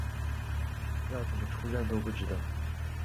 要怎么出站就不知道